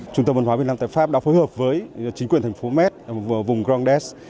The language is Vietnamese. trung tâm văn hóa việt nam tại pháp đã phối hợp với chính quyền thành phố met vùng grandes